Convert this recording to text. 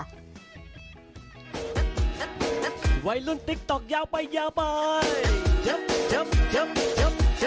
เรียกว่าเลียนอะไรมันต้องเป็นจงไม่ต้องเป็นสิ่งที่เข้าใจ